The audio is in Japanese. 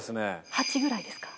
８ぐらいですか？